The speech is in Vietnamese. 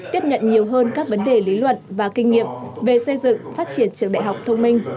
tiếp nhận nhiều hơn các vấn đề lý luận và kinh nghiệm về xây dựng phát triển trường đại học thông minh